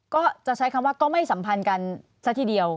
ก็จะใช้คำว่าก็ไม่สัมพันธ์กันซะทีเดียว